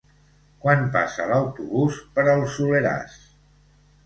Quan passa l'autobús per el Soleràs?